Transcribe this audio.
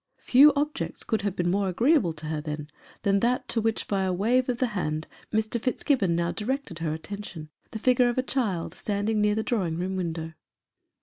Few objects could have been more agreeable to her, then, than that to which, by a wave of the hand, Mr. Fitzgibbon now directed her attention the figure of a child standing near the drawing room window.